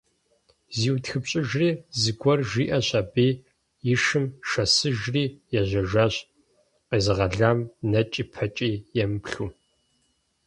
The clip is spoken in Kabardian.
ЗиутхыпщӀыжри, зыгуэр жиӀэщ аби, и шым шэсыжри ежьэжащ, къезыгъэлам нэкӀи-пэкӀи емыплъу.